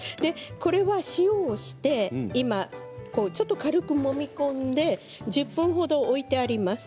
これは塩をして軽くもみ込んで１０分ほど置いています。